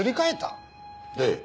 ええ。